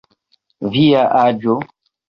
Via aĝo?